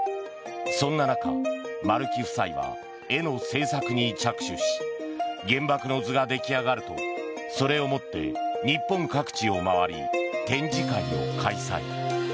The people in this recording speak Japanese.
そんな中、丸木夫妻は絵の制作に着手し「原爆の図」が出来上がるとそれを持って日本各地を回り展示会を開催。